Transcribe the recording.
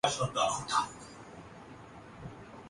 Luxembourg